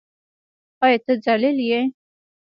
او ته ذلیل یې.